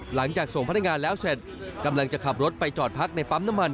หลังจากส่งพนักงานแล้วเสร็จกำลังจะขับรถไปจอดพักในปั๊มน้ำมัน